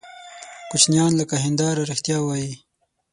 کوچنیان لکه هنداره رښتیا وایي.